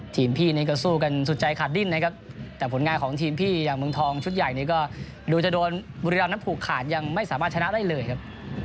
พี่นี้ก็สู้กันสุดใจขาดดิ้นนะครับแต่ผลงานของทีมพี่อย่างเมืองทองชุดใหญ่นี้ก็ดูจะโดนบุรีรำนั้นผูกขาดยังไม่สามารถชนะได้เลยครับ